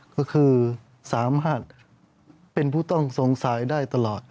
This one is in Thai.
ก็คือสามารถเป็นผู้ต้องสงสัยได้ตลอด